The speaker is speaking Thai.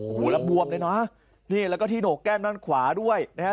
โอ้โหแล้วบวมเลยนะนี่แล้วก็ที่โหนกแก้มด้านขวาด้วยนะฮะ